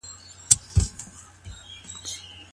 تکنالوژي بايد زده کړو.